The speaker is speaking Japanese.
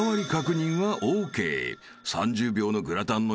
［３０秒のグラタンの様子は？］